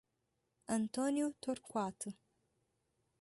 Antônio Torquato